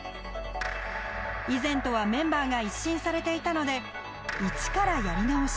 以前とはメンバーが一新されていたので一からやり直し。